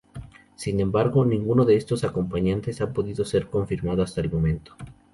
Sin embargo, ninguno de estos acompañantes ha podido ser confirmado hasta el momento.